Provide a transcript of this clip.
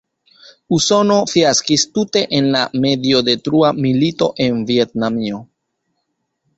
Usono fiaskis tute en la mediodetrua milito en Vjetnamio.